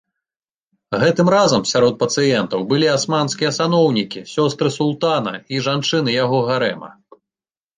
Гэтым разам сярод пацыентаў былі асманскія саноўнікі, сёстры султана і жанчыны яго гарэма.